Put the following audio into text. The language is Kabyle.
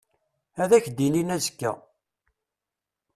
Ad ak-d-inin azekka.